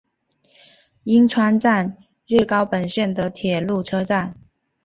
鹉川站日高本线的铁路车站。